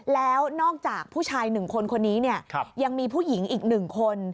แล้วนอกจากผู้ชาย๑คนคนนี้เนี่ยยังมีผู้หญิงอีก๑คน